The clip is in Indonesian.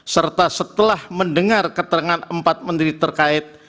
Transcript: serta setelah mendengar keterangan empat menteri terkait